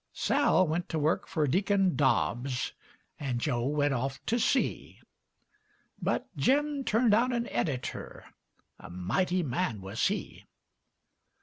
Sal went to work fer Deken Dobbs, And Joe went off to sea; But Jim turned out an editor A mighty man wuz he.